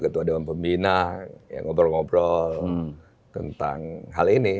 ada juga pembina yang udah ngobrol ngobrol tentang hal ini